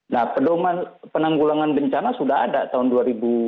nah penanggulangan bencana sudah ada tahun dua ribu enam belas ya